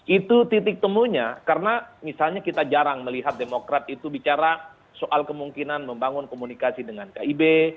itu titik temunya karena misalnya kita jarang melihat demokrat itu bicara soal kemungkinan membangun komunikasi dengan kib